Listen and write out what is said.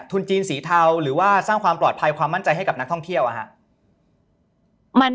จีนสีเทาหรือว่าสร้างความปลอดภัยความมั่นใจให้กับนักท่องเที่ยว